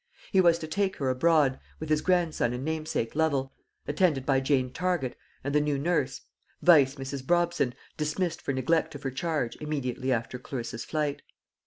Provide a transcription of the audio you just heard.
He was to take her abroad, with his grandson and namesake Lovel, attended by Jane Target and the new nurse, vice Mrs. Brobson, dismissed for neglect of her charge immediately after Clarissa's flight.